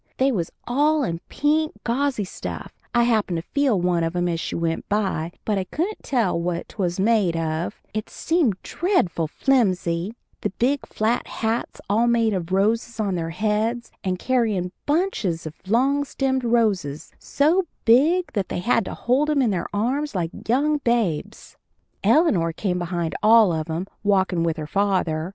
They was all in pink gauzy stuff I happened to feel one of 'em as she went by but I couldn't tell what 'twas made of; it seemed dreadful flimsy and big flat hats all made of roses on their heads, and carryin' bunches pf long stemmed roses so big that they had to hold 'em in their arms like young babes. Eleanor came behind 'em all, walkin' with her father.